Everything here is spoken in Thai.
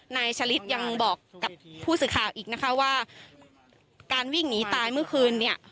นายชะลิดยังบอกกับผู้สื่อข่าวอีกนะคะว่าการวิ่งหนีตายเมื่อคืนเนี่ย